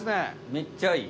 めっちゃいい！